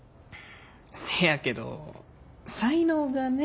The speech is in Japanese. せやけど才能がね。